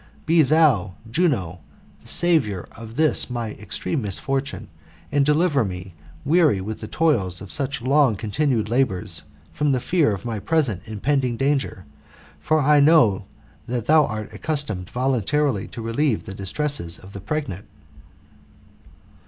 be thou, Juno, the saviour in this my extreme misfortnne, and deliver me, weary with the toils of such long continued labours, from the fear of my present impending danger ; for I know that thou art accustomed voluntarily to relieve the distresses of the pregnant."